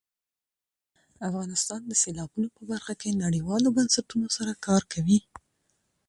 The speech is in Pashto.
افغانستان د سیلابونو په برخه کې نړیوالو بنسټونو سره کار کوي.